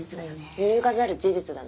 揺るがざる事実だね。